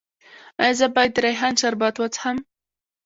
ایا زه باید د ریحان شربت وڅښم؟